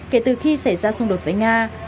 kể từ khi xảy ra xung đột với nga